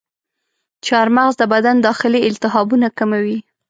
چارمغز د بدن داخلي التهابونه کموي.